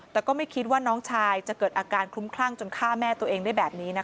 แต่ก็ไม่คิดว่าน้องชายจะเกิดอาการคลุ้มคลั่งจนฆ่าแม่ตัวเองได้แบบนี้นะคะ